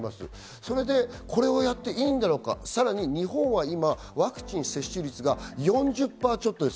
それでこれをやっていいんだろうか、さらに日本は今、ワクチン接種率が４０％ちょっと。